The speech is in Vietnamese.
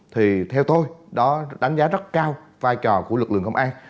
thì theo tôi đó đánh giá rất cao vai trò của lực lượng công an